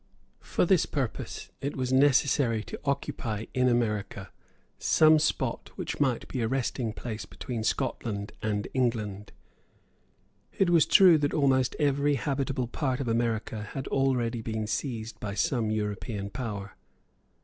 For this purpose it was necessary to occupy in America some spot which might be a resting place between Scotland and India. It was true that almost every habitable part of America had already been seized by some European power.